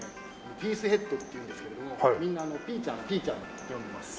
『ＰＥＡＣＥＨＥＡＤ』っていうんですけれどもみんな「ピーちゃんピーちゃん」って呼んでます。